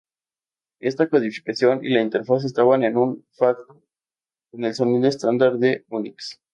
Esta codificación y la interfaz estaban de facto en el sonido estándar de Unix.